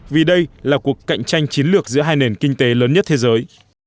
vì đây là cuộc cạnh tranh chiến lược giữa hai nền kinh tế lớn nhất thế giới